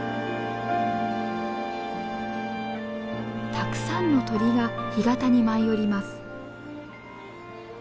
たくさんの鳥が干潟に舞い降ります。